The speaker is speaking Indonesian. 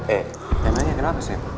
eh yang nanya kenapa sih